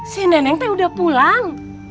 si nenek teh udah pulang